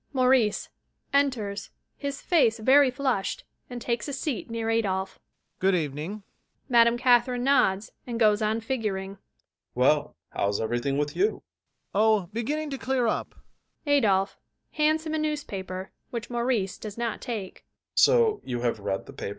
MAURICE. [Enters, his face very flushed, and takes a seat near ADOLPHE] Good evening. (MME. CATHERINE nods and goes on figuring.) ADOLPHE. Well, how's everything with you? MAURICE. Oh, beginning to clear up. ADOLPHE. [Hands him a newspaper, which MAURICE does not take] So you have read the paper?